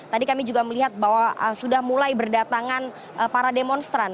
tadi kami juga melihat bahwa sudah mulai berdatangan para demonstran